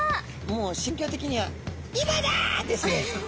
もう心境的には「今だ」です。